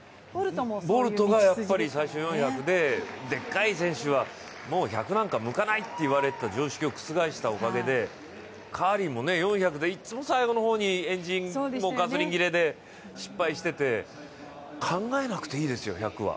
ボルトが最初４００ｍで、でっかい選手は１００なんか向かないといわれていた常識を覆したおかげでカーリーも４００でいつも最後の方にガソリン切れで失敗してて考えなくていいですよ、１００は。